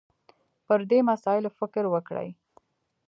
پر دې مسایلو فکر وکړي